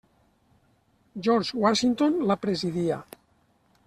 George Washington la presidia.